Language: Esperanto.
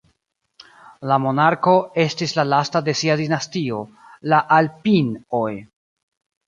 La monarko estis la lasta de sia dinastio, la "Alpin"oj.